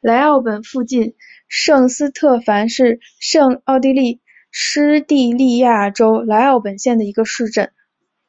莱奥本附近圣斯特凡是奥地利施蒂利亚州莱奥本县的一个市镇。